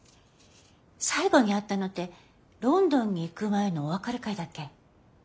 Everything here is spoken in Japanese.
最後に会ったのってロンドンに行く前のお別れ会だっけ？